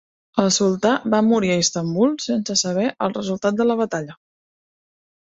El sultà va morir a Istanbul sense saber el resultat de la batalla.